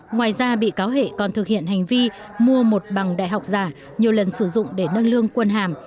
ngoài ra bị cáo hệ còn thực hiện hành vi mua một bằng đại học giả nhiều lần sử dụng để nâng lương quân hàm